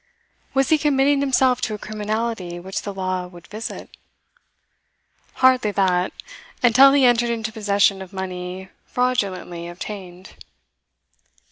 Was he committing himself to a criminality which the law would visit? Hardly that until he entered into possession of money fraudulently obtained.